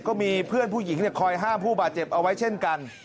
ก็มีเพื่อนผู้หญิงคอยห้ามผู้บาดเจ็บเอาไว้เช่นกัน